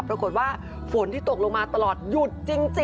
ปรากฏว่าฝนที่ตกลงมาตลอดหยุดจริง